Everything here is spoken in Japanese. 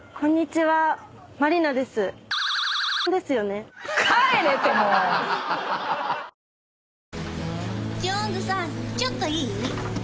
ちょっといい？